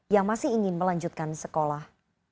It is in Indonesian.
yang masih ingin melanjutkan sekolah